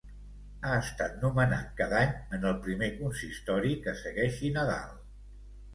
Ha estat nomenat, cada any, en el primer consistori que segueixi Nadal.